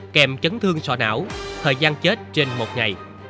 kèm chấn thương sọ não thời gian chết trên một ngày